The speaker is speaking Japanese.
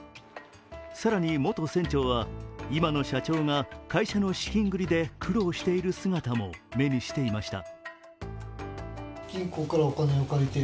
更に元船長は今の社長が会社の資金繰りで苦労している姿も目にしていました。